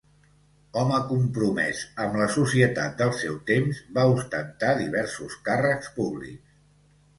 Home compromès amb la societat del seu temps, va ostentar diversos càrrecs públics.